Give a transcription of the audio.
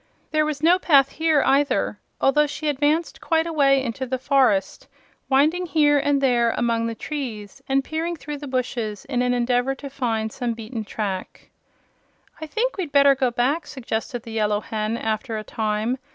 There was no path here, either, although she advanced quite a way into the forest, winding here and there among the trees and peering through the bushes in an endeavor to find some beaten track. "I think we'd better go back," suggested the Yellow Hen, after a time.